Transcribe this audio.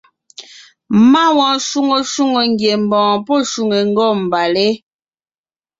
Má wɔɔn shwóŋo shwóŋò ngiembɔɔn pɔ́ shwòŋo ngômbalé.